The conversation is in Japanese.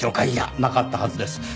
いやなかったはずです。